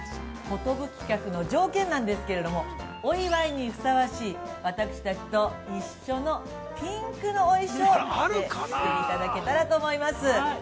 寿客の条件なんですけれども、お祝いにふさわしい、私たちと一緒のピンクの衣装を着ていただけたらと思います。